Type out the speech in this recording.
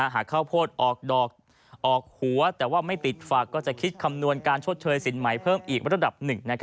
หากข้าวโพดออกดอกออกหัวแต่ว่าไม่ติดฝักก็จะคิดคำนวณการชดเชยสินใหม่เพิ่มอีกระดับหนึ่ง